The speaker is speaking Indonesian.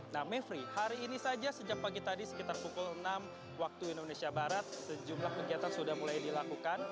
nah mevri hari ini saja sejak pagi tadi sekitar pukul enam waktu indonesia barat sejumlah kegiatan sudah mulai dilakukan